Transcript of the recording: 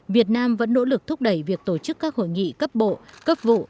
việt nam vẫn nỗ lực thúc đẩy việc tổ chức các hội nghị cấp bộ cấp vụ